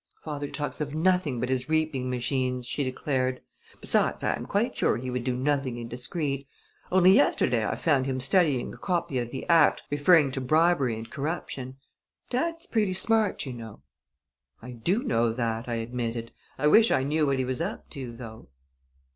"Father talks of nothing but his reaping machines," she declared. "Besides, I am quite sure he would do nothing indiscreet. Only yesterday I found him studying a copy of the act referring to bribery and corruption. Dad's pretty smart, you know!" "I do know that," I admitted. "I wish I knew what he was up to, though."